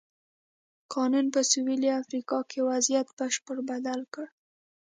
قانون په سوېلي افریقا کې وضعیت بشپړه بدل کړ.